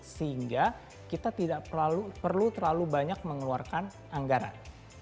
sehingga kita tidak perlu terlalu banyak mengeluarkan anggaran